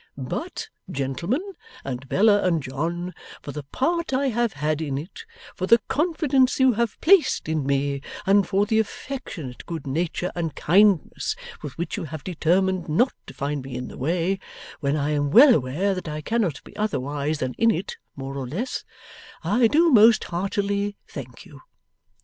But gentlemen and Bella and John for the part I have had in it, for the confidence you have placed in me, and for the affectionate good nature and kindness with which you have determined not to find me in the way, when I am well aware that I cannot be otherwise than in it more or less, I do most heartily thank you.